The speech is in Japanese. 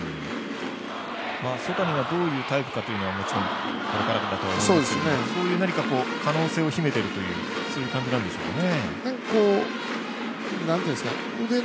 曽谷がどういうタイプかというのはもちろんこれからだとは思いますけどそういう何か可能性を秘めているというそういう感じなんでしょうかね。